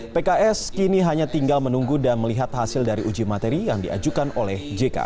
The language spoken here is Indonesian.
pks kini hanya tinggal menunggu dan melihat hasil dari uji materi yang diajukan oleh jk